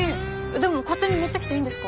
でも勝手に持ってきていいんですか？